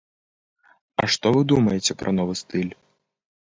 А што вы думаеце пра новы стыль?